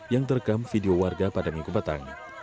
yang terekam video warga pada minggu petang